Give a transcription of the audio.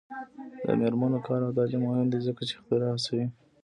د میرمنو کار او تعلیم مهم دی ځکه چې اختراع هڅوي.